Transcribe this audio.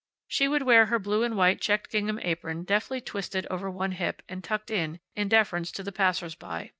She would wear her blue and white checked gingham apron deftly twisted over one hip, and tucked in, in deference to the passers by.